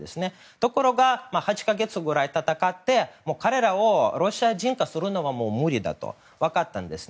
ところが、８か月ぐらい戦って彼らをロシア人化するのはもう無理だと分かったんですね。